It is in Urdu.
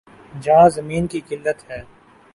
جہاں زمین کی قلت ہے۔